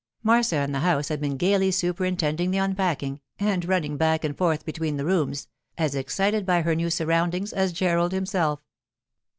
Marcia in the house had been gaily superintending the unpacking, and running back and forth between the rooms, as excited by her new surroundings as Gerald himself.